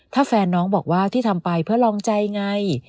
ถ้าแฟนน้องบอกว่าที่ทำไปเพื่อลองใจไง